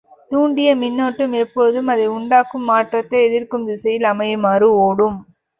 தூண்டிய மின்னோட்டம் எப்பொழுதும் அதை உண்டாக்கும் மாற்றத்தை எதிர்க்கும் திசையில் அமையுமாறு ஒடும்.